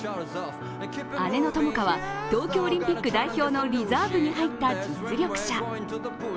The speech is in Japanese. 姉の友花は東京オリンピック代表のリザーブに入った実力者。